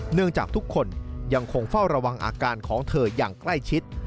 เนื่องจากทุกคนยังคงเฝ้าระวังอาการของเธออย่างใกล้ชิด